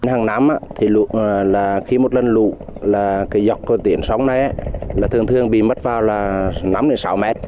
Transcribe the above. hàng năm khi một lần lụ dọc tiền sống này thường thường bị mất vào năm sáu mét